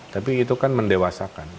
tapi itu kan mendewasakan